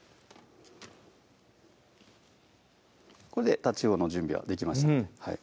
これでたちうおの準備はできました